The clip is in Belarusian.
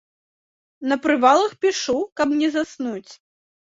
На прывалах пішу, каб не заснуць.